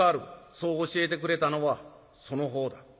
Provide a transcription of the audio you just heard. そう教えてくれたのはその方だ。